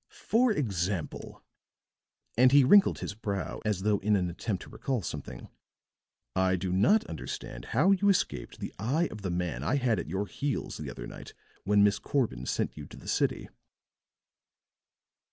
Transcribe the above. For example," and he wrinkled his brow as though in an attempt to recall something, "I do not understand how you escaped the eye of the man I had at your heels the other night when Miss Corbin sent you to the city.